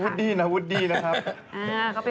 วุฒิดีนะวุฒิดีนะครับ